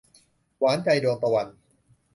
หวานใจ - ดวงตะวัน